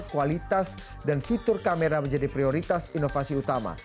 kualitas dan fitur kamera menjadi prioritas inovasi utama